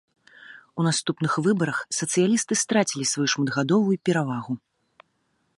У наступных выбарах, сацыялісты страцілі сваю шматгадовую перавагу.